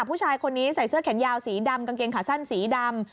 ผู้ชายคนนี้ใส่เสื้อแขนยาวสีดำกางเกงขาสั้นสีดำ